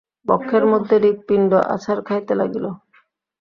বক্ষের মধ্যে হৃৎপিণ্ড আছাড় খাইতে লাগিল।